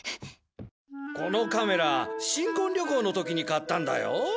このカメラ新婚旅行の時に買ったんだよ。